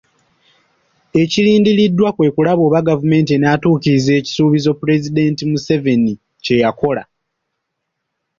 Ekirindiriddwa kwe kulaba oba gavumenti enaatuukiriza ekisuuubizo Pulezidenti Museveni kye yakola .